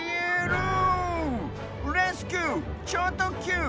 レスキュー！ちょうとっきゅう！